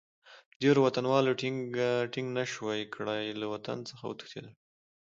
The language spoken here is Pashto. ډېرو وطنوالو ټینګه نه شوای کړای، له وطن څخه وتښتېدل.